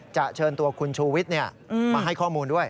เชิญตัวคุณชูวิทย์มาให้ข้อมูลด้วย